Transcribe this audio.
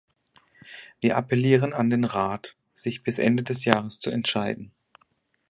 Wir appellieren an den Rat, sich bis Ende des Jahres zu entscheiden.